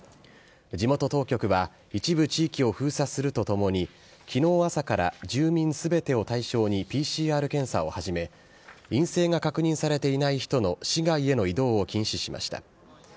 地元当局は、一部地域を封鎖するとともに、きのう朝から住民すべてを対象にＰＣＲ検査を始め、陰性が確認されていない人の市外への移動を禁止しました。